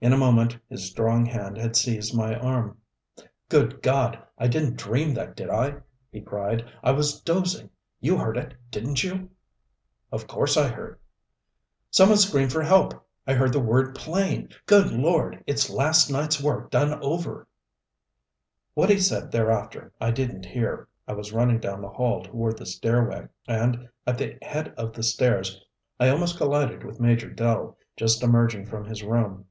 In a moment his strong hand had seized my arm. "Good God, I didn't dream that, did I?" he cried. "I was dozing you heard it, didn't you " "Of course I heard " "Some one screamed for help! I heard the word plain. Good Lord, it's last night's work done over " What he said thereafter I didn't hear. I was running down the hall toward the stairway, and at the head of the stairs I almost collided with Major Dell, just emerging from his room.